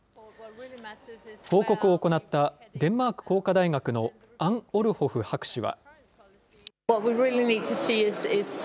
報告を行ったデンマーク工科大学のアン・オルホフ博士は。